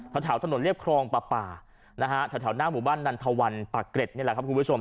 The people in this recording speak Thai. แถวถนนเรียบครองปลาป่านะฮะแถวหน้าหมู่บ้านนันทวันปากเกร็ดนี่แหละครับคุณผู้ชม